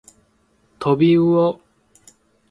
とびうお